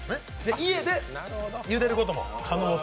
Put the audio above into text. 家でゆでることも可能と。